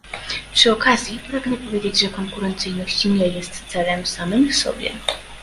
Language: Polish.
Przy okazji pragnę powiedzieć, że konkurencyjność nie jest celem samym w sobie